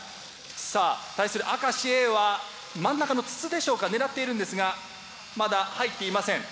さあ対する明石Ａは真ん中の筒でしょうか狙っているんですがまだ入っていません。